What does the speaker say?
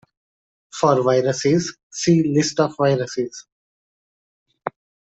For viruses, see list of viruses.